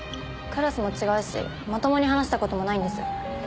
クラスも違うしまともに話した事もないんです。